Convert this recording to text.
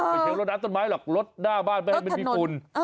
ไม่เฉียงรถดาบต้นไม้หรอกรถหน้าบ้านไม่ให้มันมีฝน